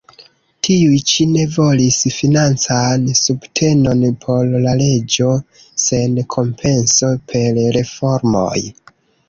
Tiuj ĉi ne volis financan subtenon por la reĝo sen kompenso per reformoj.